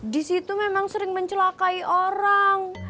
disitu memang sering mencelakai orang